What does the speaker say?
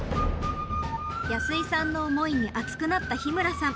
安居さんの思いに熱くなった日村さん。